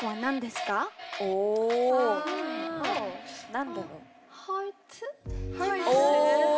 何だろう？